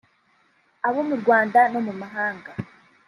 abo mu Rwanda no mu mahanga’